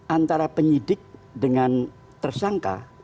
antara penyidik dengan tersangka